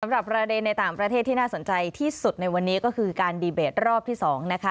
ประเด็นในต่างประเทศที่น่าสนใจที่สุดในวันนี้ก็คือการดีเบตรอบที่๒นะคะ